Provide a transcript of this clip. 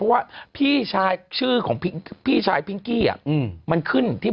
อึกอึกอึกอึกอึก